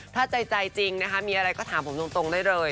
ถ้าใจจริงนะคะมีอะไรก็ถามผมตรงได้เลย